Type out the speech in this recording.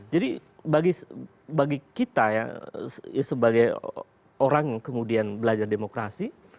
jadi bagi kita ya sebagai orang yang kemudian belajar demokrasi